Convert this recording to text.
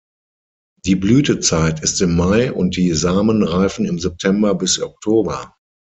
Die Blütezeit ist im Mai und die Samen reifen im September bis Oktober.